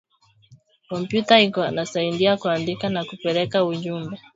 Kompiuta iko nasaidia kuandika na kupeleka ujumbe